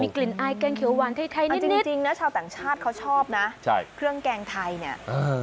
กลิ่นอายแกงเขียวหวานไทยไทยนี่จริงจริงนะชาวต่างชาติเขาชอบนะใช่เครื่องแกงไทยเนี่ยเออ